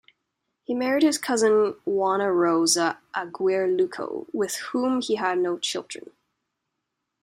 He married his cousin Juana Rosa Aguirre Luco, with whom he had no children.